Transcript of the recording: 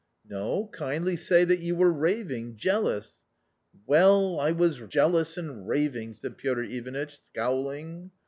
" No, kindly say that you were raving, jealous ?" "Well, I was jealous and raving," said Piotr Ivanitch, scowling.